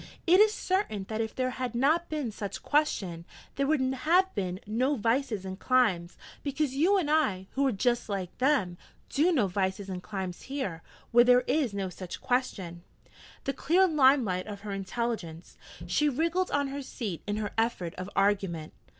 It is certain that if there had been no such question, there would have been no vices and climes, because you and I, who are just like them, do no vices and climes here, where there is no such question.' The clear limelight of her intelligence! She wriggled on her seat in her effort of argument.